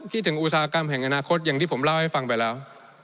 คิดถึงอุตสาหกรรมแห่งอนาคตอย่างที่ผมเล่าให้ฟังไปแล้ว